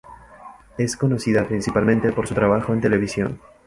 Es conocida principalmente por su trabajo en televisión.